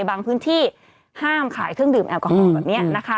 บางพื้นที่ห้ามขายเครื่องดื่มแอลกอฮอล์